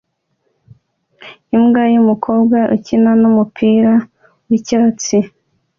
Imbwa yumukobwa ikina numupira wicyatsi